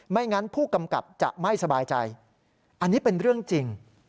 งั้นผู้กำกับจะไม่สบายใจอันนี้เป็นเรื่องจริง